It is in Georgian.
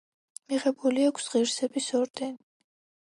მიღებული აქვს ღირსების ორდენი.